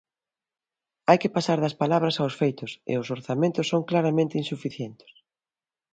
Hai que pasar das palabras aos feitos e os orzamentos son claramente insuficientes.